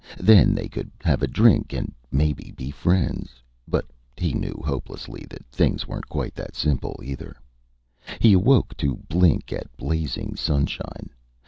Then they could have a drink, and maybe be friends. But he knew hopelessly that things weren't quite that simple, either. He awoke to blink at blazing sunshine.